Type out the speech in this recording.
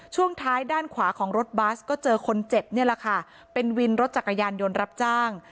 ช่วงท้ายด้านขวาของรถบัสก็เจอคนเจ็บนี่แหละค่ะเป็นวินรถจักรยานยนต์รับจ้าง